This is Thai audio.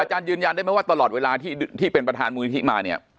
ยืนยันได้ไหมว่าตลอดเวลาที่เป็นประธานมูลนิธิมาเนี่ย